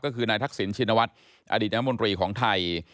ก็คือนายทักษิณชินวัฒน์อดีตน้ำมนตรีของไทย